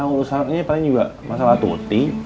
urusannya paling juga masalah tunguty